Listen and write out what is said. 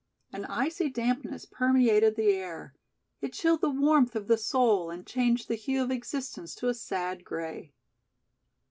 An icy dampness permeated the air. It chilled the warmth of the soul and changed the hue of existence to a sad gray.